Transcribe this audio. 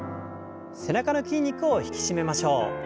背中の筋肉を引き締めましょう。